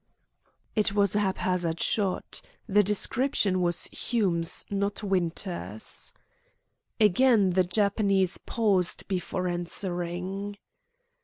It was a haphazard shot. The description was Hume's, not Winter's. Again the Japanese paused before answering.